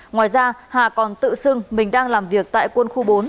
ngoài ra hà còn tự xưng mình đang làm việc tại quân khu bốn